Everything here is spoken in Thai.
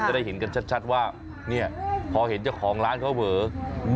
ได้เห็นกันชัดว่าเนี่ยพอเห็นเจ้าของร้านเขาเหมอ